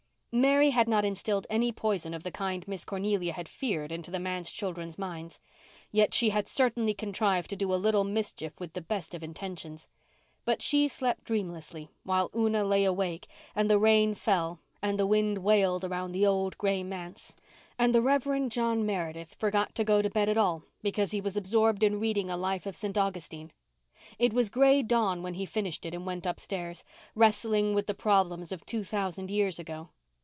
Mary had not instilled any poison of the kind Miss Cornelia had feared into the manse children's minds. Yet she had certainly contrived to do a little mischief with the best of intentions. But she slept dreamlessly, while Una lay awake and the rain fell and the wind wailed around the old gray manse. And the Rev. John Meredith forgot to go to bed at all because he was absorbed in reading a life of St. Augustine. It was gray dawn when he finished it and went upstairs, wrestling with the problems of two thousand years ago.